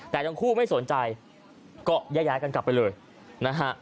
แต่ทั้งคู่ไม่สนใจก็ย้ายกันกลับไปเลยนะฮะ